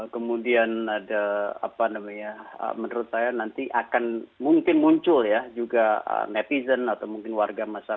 kalau kita ngomongin soal manajemen komunikasi